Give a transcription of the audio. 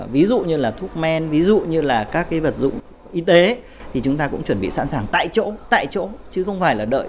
ví dụ như là thuốc men ví dụ như là các cái vật dụng y tế thì chúng ta cũng chuẩn bị sẵn sàng tại chỗ tại chỗ chứ không phải là đợi